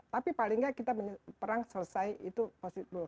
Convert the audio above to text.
tapi paling nggak kita perang selesai itu positif